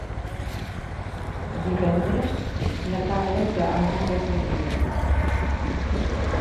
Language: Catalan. Divendres na Carla irà a Bigues i Riells.